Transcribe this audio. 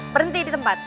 berhenti di tempat